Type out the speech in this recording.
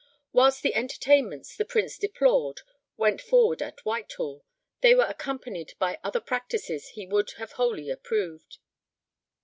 Whilst the entertainments the Prince deplored went forward at Whitehall, they were accompanied by other practices he would have wholly approved.